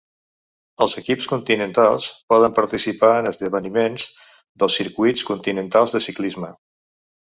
Els equips continentals poden participar en esdeveniments dels circuits continentals de ciclisme.